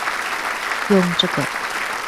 用這個